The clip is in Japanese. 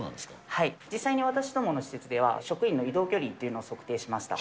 はい、実際に私どもの施設では、職員の移動距離というのを測定しました。